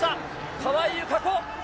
川井友香子。